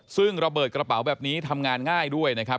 ซึ่งระเบิดกระเป๋าแบบนี้ทำงานง่ายด้วยนะครับ